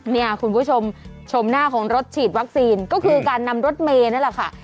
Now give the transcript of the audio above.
เนี่ยคุณผู้ชมชมหน้าของรถฉีดวัคซีนก็คือการนำรถเมย์นั่นแหละค่ะ